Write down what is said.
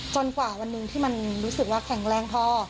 กว่าวันหนึ่งที่มันรู้สึกว่าแข็งแรงพอ